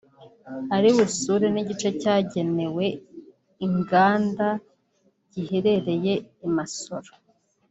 Ari busure n’igice cyagenewe inganda giherereye i Masoro